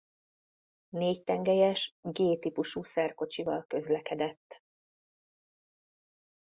Négytengelyes G típusú szerkocsival közlekedett.